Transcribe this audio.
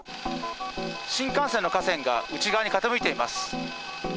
新幹線の架線が内側に傾いています。